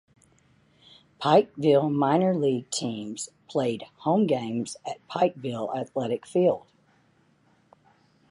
Pikeville minor league teams played home games at Pikeville Athletic Field.